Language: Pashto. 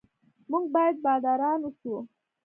موږ باید باداران اوسو.